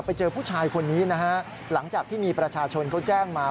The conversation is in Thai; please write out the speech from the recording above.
ไปเจอผู้ชายคนนี้นะฮะหลังจากที่มีประชาชนเขาแจ้งมา